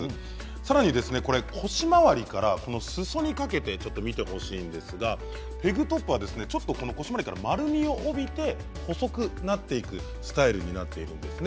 さらに腰回りから裾にかけて見てほしいんですがペグトップはちょっと丸みを帯びて細くなっていくスタイルになっているんです。